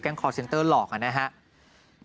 แก๊งคอลเซ็นเตอร์หลอกครับนะครับ